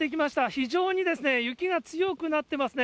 非常に雪が強くなってますね。